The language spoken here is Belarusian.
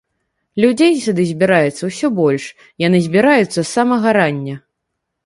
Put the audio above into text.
Людзей сюды збіраецца ўсё больш, яны збіраюцца з самага рання.